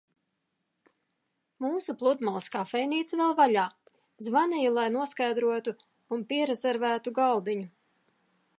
Mūsu pludmales kafejnīca vēl vaļā - zvanīju, lai noskaidrotu un pierezervētu galdiņu.